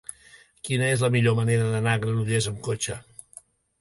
Quina és la millor manera d'anar a Granollers amb cotxe?